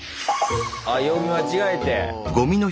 あ曜日間違えて。